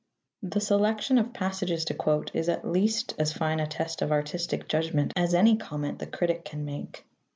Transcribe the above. The selection of passages to quote is at least as fine a test of artistic judgment as any comment the critic can make.